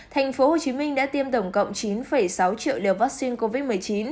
tp hcm đã tiêm tổng cộng chín sáu triệu liều vaccine covid một mươi chín